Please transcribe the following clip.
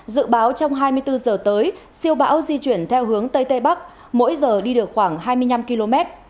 dự báo trong hai mươi bốn giờ tới siêu bão di chuyển theo hướng tây tây bắc mỗi giờ đi được khoảng hai mươi năm km